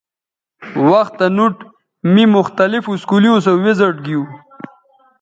وختہ نوٹ می مختلف اسکولیوں سو وزٹ گیو